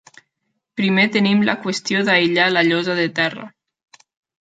Primer tenim la qüestió d"aïllar la llosa de terra.